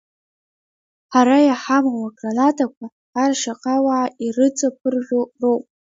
Ҳара иҳамоу агранатақәа аршьаҟауаа ирыҵаԥыржәо роуп.